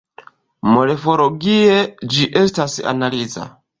Morfologie, ĝi estas analiza.